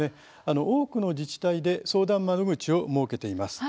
多くの自治体で相談窓口を設けています。